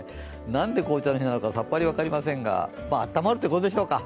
何で紅茶の日なのか、さっぱり分かりませんが、あったまるということでしょうか。